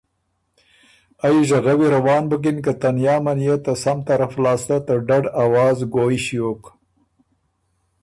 ائ ژغوي روان بُکِن که تنیامه نيې ته سم طرف لاسته ته ډډ اواز ګویٛ ݭیوک۔